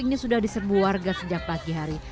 ini sudah diserbu warga sejak pagi hari